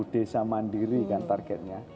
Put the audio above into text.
desa mandiri kan targetnya